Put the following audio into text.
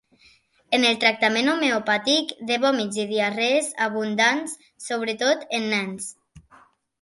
En el tractament homeopàtic de vòmits i diarrees abundants, sobretot en nens.